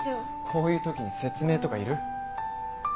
こういうときに説明とかいる？